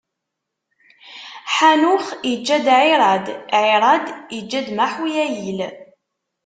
Ḥanux iǧǧa-d Ɛirad, Ɛirad iǧǧa-d Maḥuyayil.